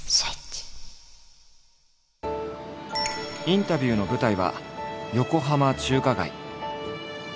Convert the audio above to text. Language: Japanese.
インタビューの舞台は横浜中華街。